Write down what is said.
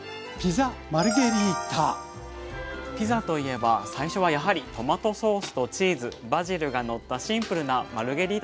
ピザといえば最初はやはりトマトソースとチーズバジルがのったシンプルなマルゲリータですよね。